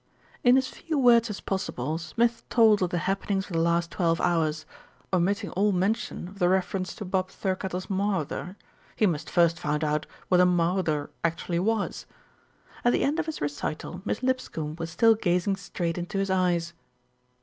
In as few words as possible, Smith told of the hap penings of the last twelve hours, omitting all mention 82 THE RETURN OF ALFRED of the reference to Bob Thirkettle's mawther he must first find out what a mawther actually was. At the end of his recital, Miss Lipscombe was still gazing straight into his eyes.